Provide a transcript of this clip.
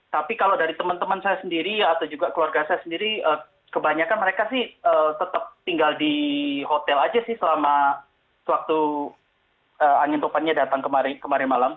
tapi kalau dari teman teman saya sendiri atau juga keluarga saya sendiri kebanyakan mereka sih tetap tinggal di hotel aja sih selama sewaktu angin topannya datang kemarin malam